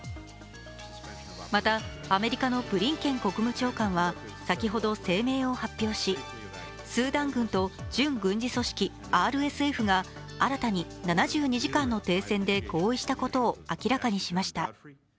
また、アメリカのブリンケン国務長官は先ほど、声明を発表しスーダン軍と準軍事組織ＲＳＦが新たに７２時間の停戦合意したことを明らかにしました。